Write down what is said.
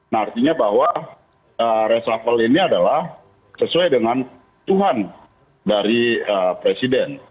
nah artinya bahwa reshuffle ini adalah sesuai dengan tuhan dari presiden